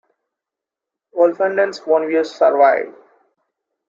Wolfenden's own views survive.